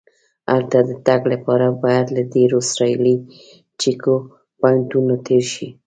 هلته د تګ لپاره باید له ډېرو اسرایلي چیک پواینټونو تېر شې.